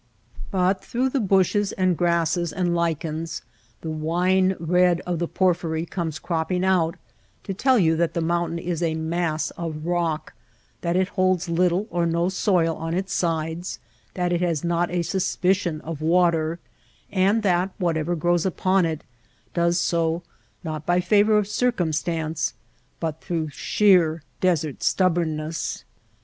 But through the bushes and grasses and lichens the wine red of the porphyry comes cropping out to tell you that the mountain is a mass of rock, that it holds little or no soil on its sides, that it has not a suspicion of water ; and that whatever grows upon it, does so, not by favor of circumstance, but through sheer desert stubbornness.